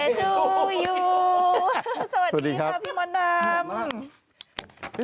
สวัสดีค่ะพี่มดดำ